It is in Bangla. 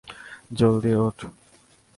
জলদি, উঠ!